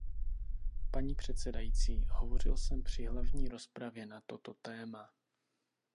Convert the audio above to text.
Paní předsedající, hovořil jsem při hlavní rozpravě na toto téma.